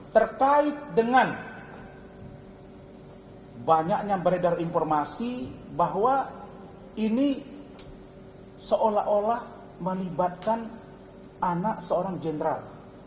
terkait dengan banyaknya beredar informasi bahwa ini seolah olah melibatkan anak seorang jenderal